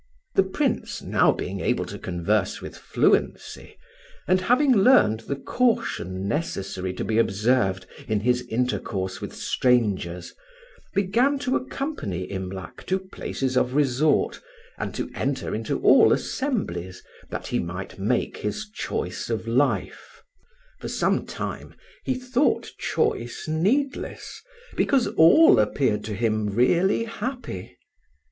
The Prince now being able to converse with fluency, and having learned the caution necessary to be observed in his intercourse with strangers, began to accompany Imlac to places of resort, and to enter into all assemblies, that he might make his choice of life. For some time he thought choice needless, because all appeared to him really happy.